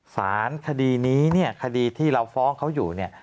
สารคดีนี้คดีที่เราฟ้องเขาอยู่